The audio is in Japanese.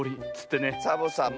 サボさん